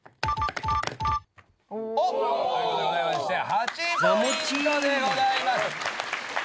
お！ということでございまして８ｐｔでございます。